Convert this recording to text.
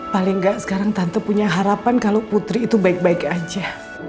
paling nggak sekarang tante punya harapan kalau putri itu baik baik aja